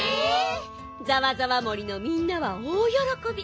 ざわざわ森のみんなはおおよろこび。